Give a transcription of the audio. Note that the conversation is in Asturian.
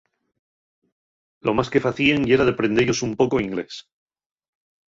Lo más que facíen yera deprende-yos un poco inglés.